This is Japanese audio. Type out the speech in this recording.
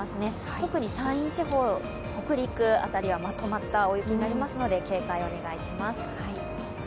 特に山陰地方、北陸などはまとまった大雪になりますので警戒をお願いします。